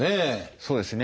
そうですね。